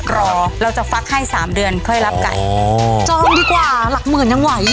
รอเราจะฟักให้สามเดือนค่อยรับไก่จองดีกว่าหลักหมื่นยังไหว